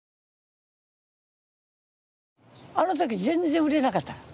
あの時全然売れなかった。